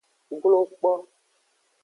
Glo kpo.